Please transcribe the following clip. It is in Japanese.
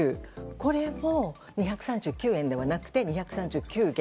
これも２３９円ではなくて２３９元。